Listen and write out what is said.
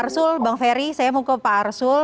saya mau ke bang arsul